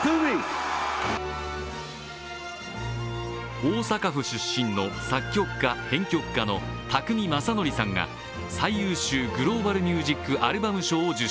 大阪府出身の作曲家、編曲家の宅見将典さんが最優秀グローバル・ミュージック・アルバム賞を受賞。